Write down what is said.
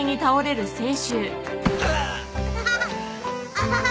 アハハ！